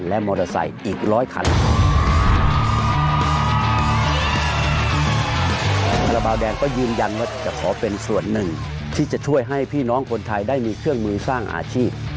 แล้วเบาแดงก็ยืนยันว่าจะขอเป็นส่วนหนึ่งที่จะช่วยให้พี่น้องคนไทยได้มีเครื่องมือสร้างอาชีพ